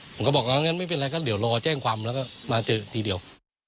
ผมก็บอกงั้นไม่เป็นไรก็เดี๋ยวรอแจ้งความแล้วก็มาเจอทีเดียว